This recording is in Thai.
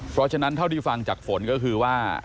เพราะฉะนั้นเท่าที่ฟังจากฝนก็คือว่า